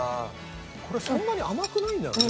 これそんなに甘くないんだよね。